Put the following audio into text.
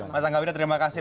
mas angga wida terima kasih